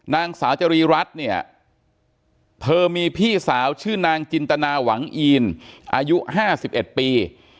นางสาวจรีรัฐเนี่ยเธอมีพี่สาวชื่อนางจินตนาหวังอีนอายุ๕๑ปี